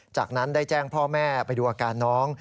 จากนั้นได้แจ้งพ่อแม่ไปดูอาการน้อง